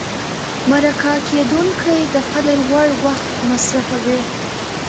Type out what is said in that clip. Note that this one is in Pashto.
مرکه کېدونکی د قدر وړ وخت مصرفوي.